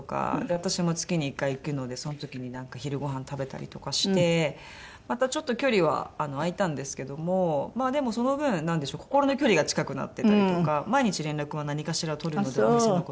私も月に１回行くのでその時に昼ごはん食べたりとかしてまたちょっと距離は空いたんですけどもまあでもその分なんでしょう心の距離が近くなってたりとか毎日連絡は何かしら取るのでお店の事で。